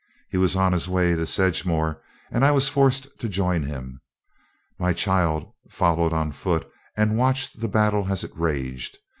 He was on his way to Sedgemore, and I was forced to join him. My child followed on foot and watched the battle as it raged.